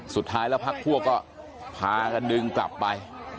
สุดท้ายแล้วพักพวกก็พากันดึงกลับไป